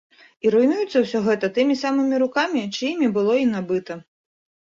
І руйнуецца ўсё гэта тымі самымі рукамі, чыімі было і набыта.